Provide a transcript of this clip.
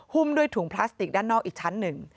ด้วยถุงพลาสติกด้านนอกอีกชั้นหนึ่ง